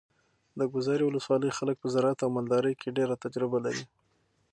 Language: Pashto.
د ګذرې ولسوالۍ خلک په زراعت او مالدارۍ کې ډېره تجربه لري.